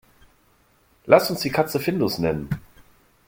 Lass uns die Katze Findus nennen.